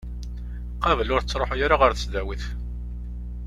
Qabel, ur tettruḥu ara ɣer tesdawit.